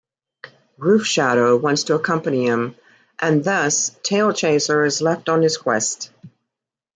Roofshadow wants to accompany him, and thus, Tailchaser is left on his quest.